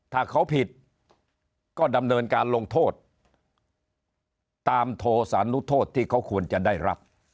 ถ้าเขาผิดก็ดำเนินการลงโทษตามโทสานุโทษที่เขาควรจะได้รับ